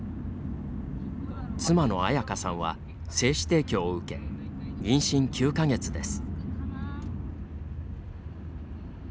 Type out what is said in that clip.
妻の彩香さんは、精子提供を受け妊娠９か月です。